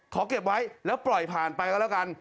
เก็บไว้แล้วปล่อยผ่านไปก็แล้วกัน